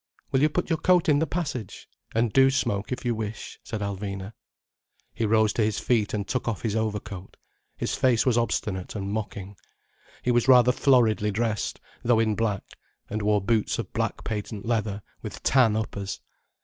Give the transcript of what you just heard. "Will you put your coat in the passage?—and do smoke if you wish," said Alvina. He rose to his feet and took off his overcoat. His face was obstinate and mocking. He was rather floridly dressed, though in black, and wore boots of black patent leather with tan uppers.